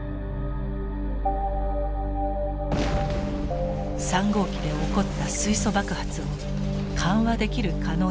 ３号機で起こった水素爆発を緩和できる可能性があったのです。